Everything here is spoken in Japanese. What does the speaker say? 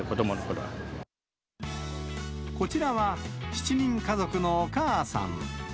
こちらは７人家族のお母さん。